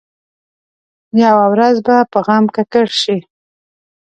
یوه ورځ به په غم ککړ شي.